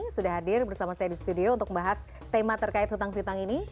sudah hadir bersama saya di studio untuk membahas tema terkait hutang hutang ini